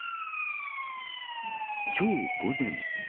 きょう午前。